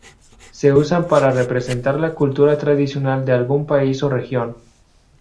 Se usan para representar la cultura tradicional de algún país o región.